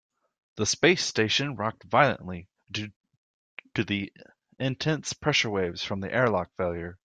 The space station rocked violently due to the intense pressure wave from the airlock failure.